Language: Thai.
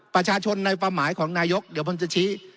ประชาชนในความหมายของนายกเดี๋ยวผมจะชี้